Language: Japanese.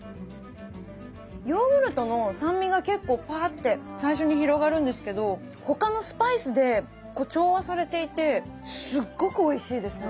ヨーグルトの酸味が結構パーって最初に広がるんですけど他のスパイスで調和されていてすっごくおいしいですね。